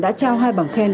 đã trao hai bảng khen